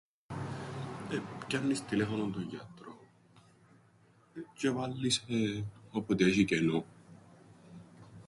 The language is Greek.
Πιάννεις τηλέφωνον τον γιατρόν τζ̆αι βάλλει σε όποτε έσ̆ει κενόν.